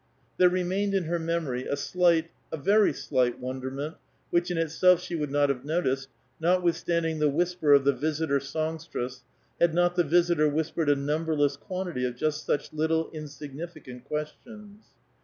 There remained in her memory a flight, a, very slight, wonderment, which in itself she would ha?e not noticed, notwithstanding the whisper of the " visitor |K)ng stress," had not the "visitor" whispered a numberless tity of just such little, insignificant questions.